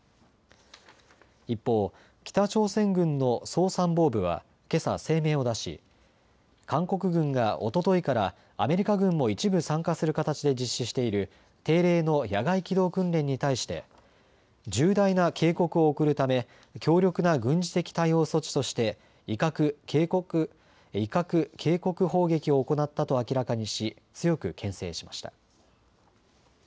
一方、北朝鮮軍の総参謀部はけさ声明を出し韓国軍がおとといからアメリカ軍も一部、参加する形で実施している定例の野外機動訓練に対して重大な警告を送るため強力な軍事的対応措置として威嚇・警告砲撃を行ったと明らかにし強くけん制しました。